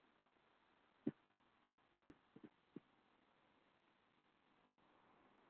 该行星是克卜勒太空望远镜确认第一个环绕类太阳恒星的体积与地球相若的行星。